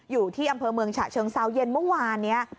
อยู่ที่อำเภอเมืองฉะเชิงเซาเย็นเมื่อวานนี้